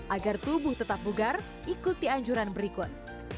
agar tubuh tetap bugar ikuti anjuran berikut